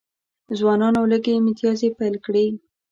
ځوانانو کږې میتیازې پیل کړي.